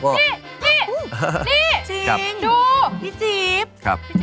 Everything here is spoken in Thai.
พี่จี๊บค่ะ